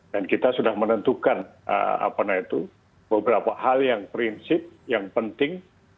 dan kita sudah menentukan beberapa hal yang prinsip yang penting